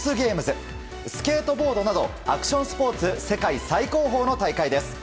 スケートボードなどアクションスポーツ世界最高峰の大会です。